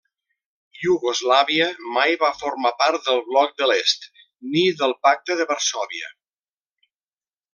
Iugoslàvia mai va formar part del Bloc de l'Est ni del Pacte de Varsòvia.